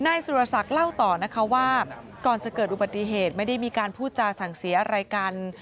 นายสุรศักดิ์เล่าต่อนะคะว่าก่อนจะเกิดอุบัติเหตุไม่ได้มีการพูดจาสั่งเสียอะไรกัน